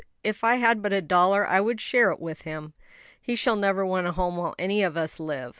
If I had but a dollar, I would share it with him." "He shall never want a home, while any of us live!"